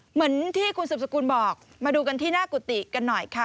เหมือนที่คุณสืบสกุลบอกมาดูกันที่หน้ากุฏิกันหน่อยค่ะ